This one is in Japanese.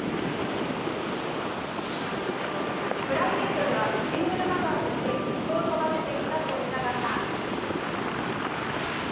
プライベートではシングルマザーとして息子を育ててきた冨永さん。